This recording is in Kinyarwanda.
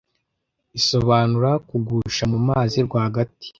isobanura kugusha mu mazi rwagati